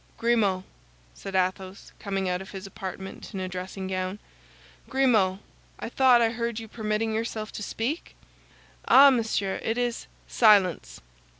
"Grimaud," said Athos, coming out of his apartment in a dressing gown, "Grimaud, I thought I heard you permitting yourself to speak?" "Ah, monsieur, it is—" "Silence!"